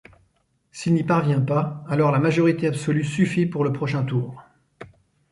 S'il n'y parvient pas, alors la majorité absolue suffit pour le prochain tour.